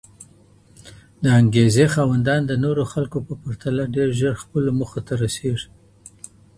د انګېزې خاوندان د نورو خلګو په پرتله ډېر ژر خپلو موخو ته رسېږي.